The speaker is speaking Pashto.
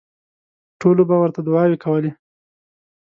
ټولو به ورته دوعاوې کولې.